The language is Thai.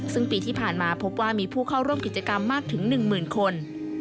ซึ่งปีที่ผ่านมาพบว่ามีผู้เข้าร่วมกิจกรรมมากถึง๑๐๐๐คน